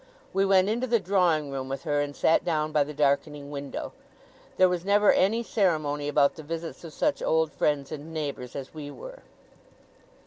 We went into the drawing room with her, and sat down by the darkening window. There was never any ceremony about the visits of such old friends and neighbours as we were.